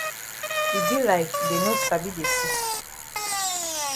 E be like dey no sabi de sick.